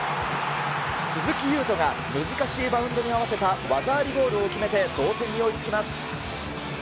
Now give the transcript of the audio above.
鈴木雄斗が、難しいバウンドに合わせた技ありゴールを決めて、同点に追いつきます。